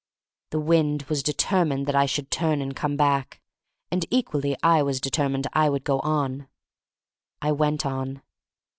The wind was determined that I should turn and come back, and equally I was determined I would go on. I went on.